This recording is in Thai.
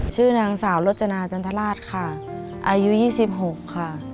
ชื่อนางสาวรจนาจันทราชค่ะอายุ๒๖ค่ะ